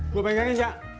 gua pegangin cak